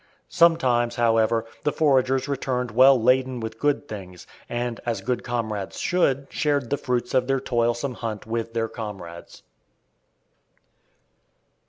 Sometimes, however, the foragers returned well laden with good things, and as good comrades should, shared the fruits of their toilsome hunt with their comrades.